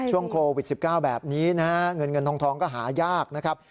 ช่วงโควิด๑๙แบบนี้นะฮะเงินเงินทองก็หายากนะครับ